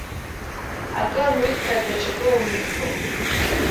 Акы ануиҭа, даҽакы умихроуп.